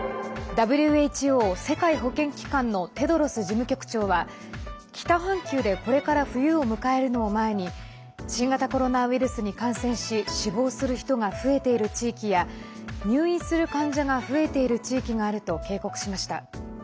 ＷＨＯ＝世界保健機関のテドロス事務局長は北半球で、これから冬を迎えるのを前に新型コロナウイルスに感染し死亡する人が増えている地域や入院する患者が増えている地域があると警告しました。